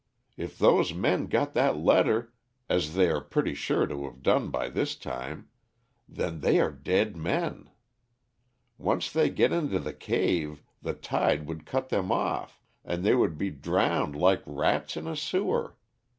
If those men got that letter, as they are pretty sure to have done by this time, then they are dead men. Once they get into the cave the tide would cut them off, and they would be drowned like rats in a sewer.